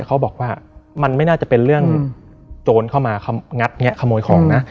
เขาบอกว่ามันไม่น่าจะเป็นเรื่องโจรเข้ามางัดแงะขโมยของนะ